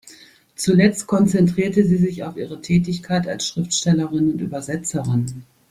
Zuletzt konzentrierte sie sich auf ihre Tätigkeit als Schriftstellerin und Übersetzerin.